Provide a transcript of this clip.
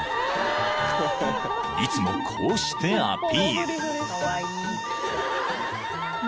［いつもこうしてアピール］